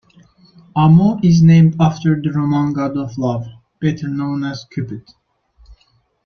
Amor is named after the Roman god of love, better known as Cupid.